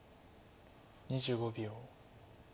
２５秒。